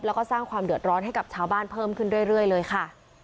แล้วก็สร้างความเดือดร้อนให้กับชาวบ้านเพิ่มขึ้นเรื่อยเลยค่ะ